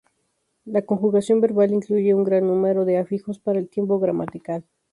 La conjugación verbal incluye un gran número de afijos para el tiempo gramatical.